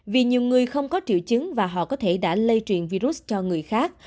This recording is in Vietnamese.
vì nhiều người không có triệu chứng và họ có thể đã lây truyền virus cho người khác